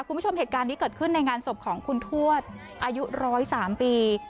คุณผู้ชมเหตุการณ์นี้เกิดขึ้นในงานศพของคุณทวดอายุ๑๐๓ปี